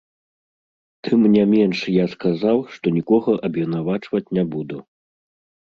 Тым не менш, я сказаў, што нікога абвінавачваць не буду.